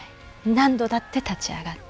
何度だって立ち上がって。